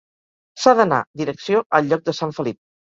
S'ha d'anar direcció al lloc de Sant Felip.